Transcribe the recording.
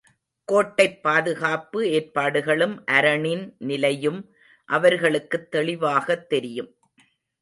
கோட்டைப் பாதுகாப்பு ஏற்பாடுகளும் அரணின் நிலையும் அவர்களுக்குத் தெளிவாகத் தெரியும்.